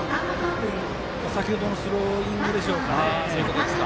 先ほどのスローイングでしょうかね。